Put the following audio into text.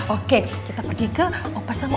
oke kita pergi ke opa sama oma yuk